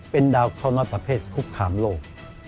เป็นดาวเขาน้อยประเภทคุกคามโลก